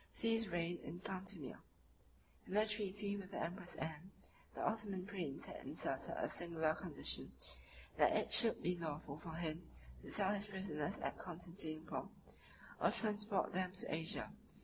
See his reign in Cantemir, p. 24—30.] In the treaty with the empress Anne, the Ottoman prince had inserted a singular condition, that it should be lawful for him to sell his prisoners at Constantinople, or transport them into Asia.